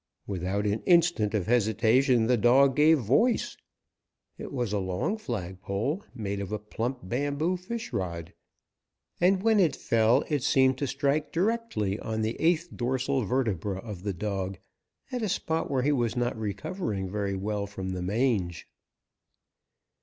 Without an instant of hesitation the dog gave voice! It was a long flag pole, made of a plump bamboo fish rod, and when it fell it seemed to strike directly on the eighth dorsal vertebra of the dog, at a spot where he was not recovering very well from the mange.